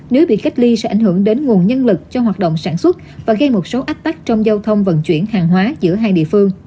nếu bị cách ly sẽ ảnh hưởng đến nguồn nhân lực cho hoạt động sản xuất và gây một số ách tắc trong giao thông vận chuyển hàng hóa giữa hai địa phương